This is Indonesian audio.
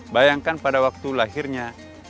bayangkan pada waktu lahirnya